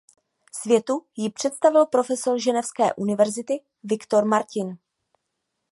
Světu ji představil profesor Ženevské univerzity Victor Martin.